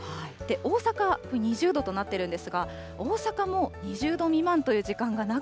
大阪２０度となっているんですが、大阪も２０度未満という時間が長